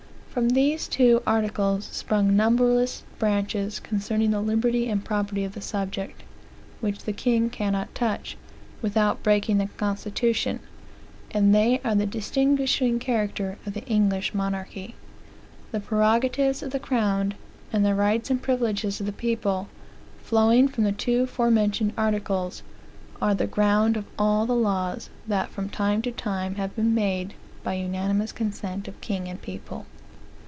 From these two articles sprung numberless branches concerning the liberty and property of the subject, which the king cannot touch, without breaking the constitution, and they are the distinguishing character of the English monarchy. The prerogatives of the crown, and the rights and privileges of the people, flowing from the two fore mentioned articles, are the ground of all the laws that from time to time have been made by unanimous consent of king and people.